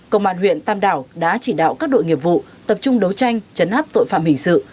công an huyện tam đảo đã chỉ đạo các đội nghiệp vụ tập trung đấu tranh chấn áp tội phạm hình sự